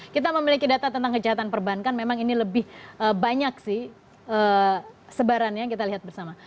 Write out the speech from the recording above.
kita memiliki data tentang kejahatan perbankan memang ini lebih banyak sih sebarannya kita lihat bersama